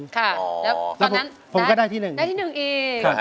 ค่ะแล้วตอนนั้นได้ที่หนึ่งอีกแล้วผมก็ได้ที่หนึ่ง